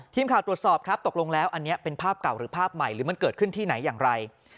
ทีมข่าวตรวจสอบครับตกลงแล้วอันนี้เป็นภาพเก่าหรือภาพใหม่หรือมันเกิดขึ้นที่ไหนอย่างไร